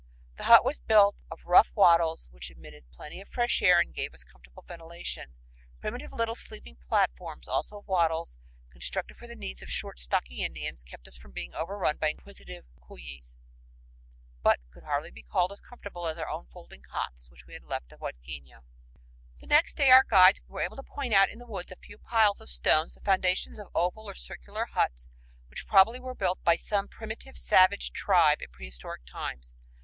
The hut was built of rough wattles which admitted plenty of fresh air and gave us comfortable ventilation. Primitive little sleeping platforms, also of wattles, constructed for the needs of short, stocky Indians, kept us from being overrun by inquisitive cuys, but could hardly be called as comfortable as our own folding cots which we had left at Huadquiña. The next day our guides were able to point out in the woods a few piles of stones, the foundations of oval or circular huts which probably were built by some primitive savage tribe in prehistoric times.